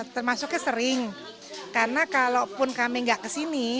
termasuknya sering karena kalau pun kami tidak ke sini